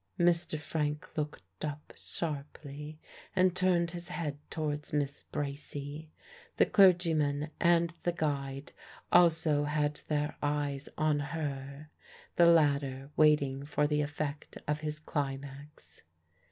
'" Mr. Frank looked up sharply, and turned his head towards Miss Bracy. The clergyman and the guide also had their eyes on her, the latter waiting for the effect of his climax.